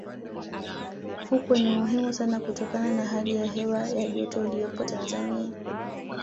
fukwe ni muhimu sana kutokana na hali ya hewa ya joto iliyopo tanzania